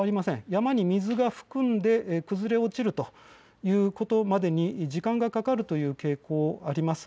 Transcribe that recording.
山に水を含んで崩れ落ちるということまでに時間がかかるという傾向があります。